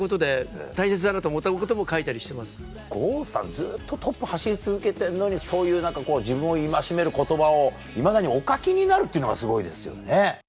ずっとトップ走り続けてんのにそういう何かこう自分を戒める言葉をいまだにお書きになるっていうのがすごいですよね。